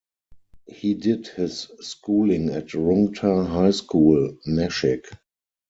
He did his schooling at Rungta High School, Nashik.